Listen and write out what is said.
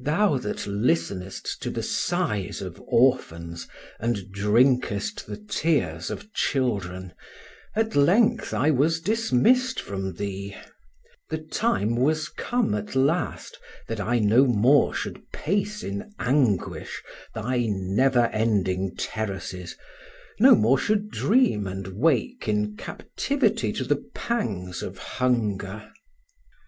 thou that listenest to the sighs of orphans and drinkest the tears of children, at length I was dismissed from thee; the time was come at last that I no more should pace in anguish thy never ending terraces, no more should dream and wake in captivity to the pangs of hunger.